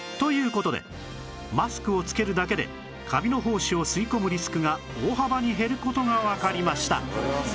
事でマスクをつけるだけでカビの胞子を吸い込むリスクが大幅に減る事がわかりました